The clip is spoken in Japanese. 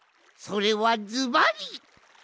それはズバリ！